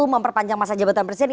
memperpanjang masa jabatan presiden